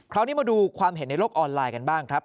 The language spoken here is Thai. คราวนี้มาดูความเห็นในโลกออนไลน์กันบ้างครับ